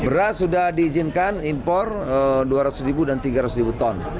beras sudah diizinkan impor rp dua ratus dan rp tiga ratus ton